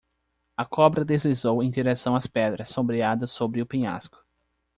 A cobra deslizou em direção às pedras sombreadas sob o penhasco.